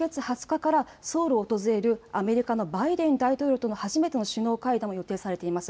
そして今月２０日からソウルを訪れるアメリカのバイデン大統領との初めての首脳会談も予定されています。